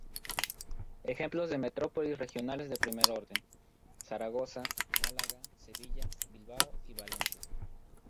Ejemplos de metrópolis regionales de primer orden, Zaragoza, Málaga, Sevilla, Bilbao y Valencia.